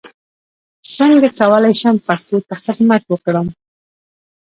څنګه کولای شم پښتو ته خدمت وکړم